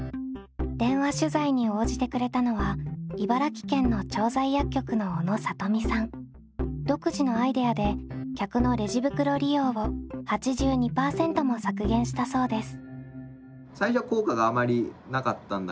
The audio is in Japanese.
電話取材に応じてくれたのは茨城県の調剤薬局の独自のアイデアで客のレジ袋利用を８２％も削減したそうです。